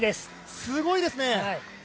すごいですね。